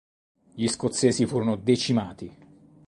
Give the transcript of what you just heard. Gli scozzesi furono decimati.